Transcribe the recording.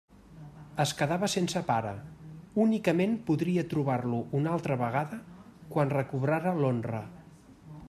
Es quedava sense pare: únicament podria trobar-lo una altra vegada quan recobrara l'honra.